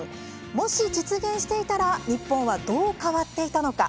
もし、実現していたら日本はどう変わっていたのか？